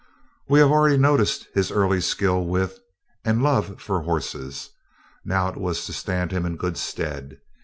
We have already noticed his early skill with, and love for horses. Now it was to stand him in good stead.